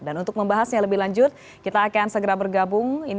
dan untuk membahasnya lebih lanjut kita akan segera bergabung